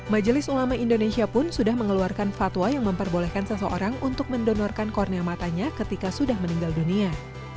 majelis ulama indonesia pun sudah mengeluarkan fatwa yang memperbolehkan seseorang untuk mendonorkan kornea matanya ketika sudah meninggal dunia